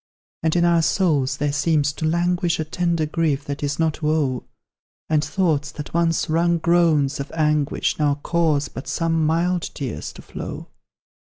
Then in our souls there seems to languish A tender grief that is not woe; And thoughts that once wrung groans of anguish Now cause but some mild tears to flow.